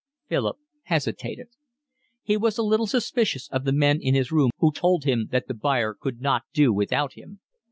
Philip hesitated. He was a little suspicious of the men in his room who told him that the buyer could not do without him.